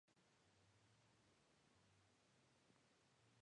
Asimismo, E. Bernárdez en su obra "Los Mitos Germánicos" señala esta etimología.